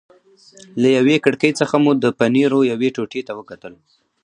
له یوې کړکۍ څخه مو د پنیرو یوې ټوټې ته وکتل.